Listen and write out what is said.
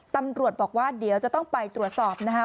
ตำรวจบอกว่าเดี๋ยวจะต้องไปตรวจสอบนะคะ